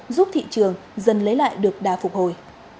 giúp thị trường dần lấy lại được đà phục hồi